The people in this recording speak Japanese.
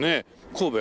神戸？